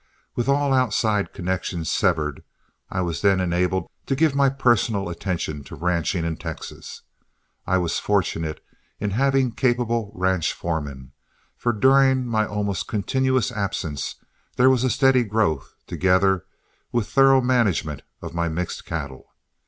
With all outside connections severed, I was then enabled to give my personal attention to ranching in Texas. I was fortunate in having capable ranch foremen, for during my almost continued absence there was a steady growth, together with thorough management of my mixed cattle.